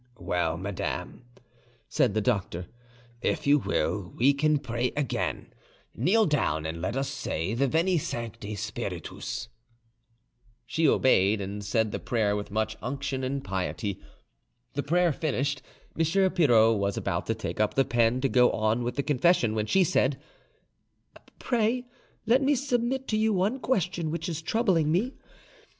"Well, madame," said the doctor, "if you will, we can pray again; kneel down, and let us say the 'Veni Sancte Spiritus'." She obeyed, and said the prayer with much unction and piety. The prayer finished, M. Pirot was about to take up the pen to go on with the confession, when she said, "Pray let me submit to you one question which is troubling me.